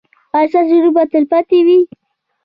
ایا ستاسو نوم به تلپاتې وي؟